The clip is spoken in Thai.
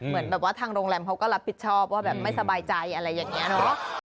เหมือนแบบว่าทางโรงแรมเขาก็รับผิดชอบว่าแบบไม่สบายใจอะไรอย่างนี้เนอะ